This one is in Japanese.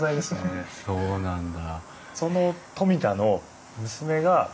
へえそうなんだ。